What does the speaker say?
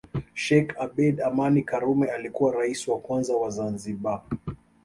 Sheikh Abeid Amani Karume alikuwa Rais wa kwanza wa Zanzibar